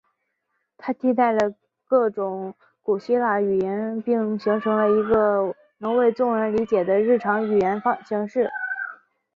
它替代了各种古希腊语方言并形成了一个能为众人理解的日常语言形式。